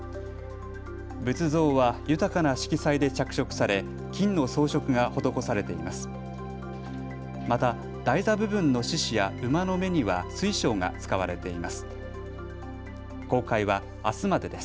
仏像は豊かな色彩で着色され金の装飾が施されています。